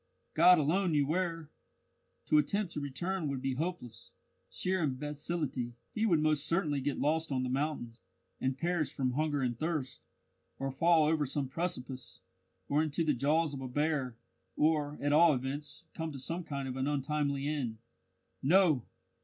God alone knew where! To attempt to return would be hopeless sheer imbecility; he would most certainly get lost on the mountains, and perish from hunger and thirst, or fall over some precipice, or into the jaws of a bear; or, at all events, come to some kind of an untimely end. No!